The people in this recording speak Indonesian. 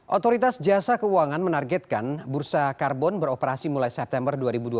otoritas jasa keuangan menargetkan bursa karbon beroperasi mulai september dua ribu dua puluh